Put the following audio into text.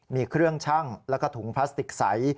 มีเครื่องชั่งแล้วก็ถุงพลาสติกใส